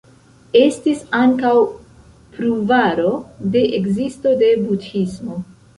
Estis ankaŭ pruvaro de ekzisto de Budhismo.